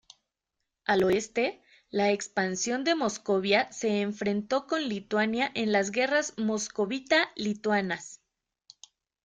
Al oeste, la expansión de Moscovia se enfrentó con Lituania en las Guerras moscovita-lituanas.